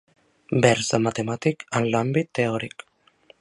Vers de matemàtic en l'àmbit teòric.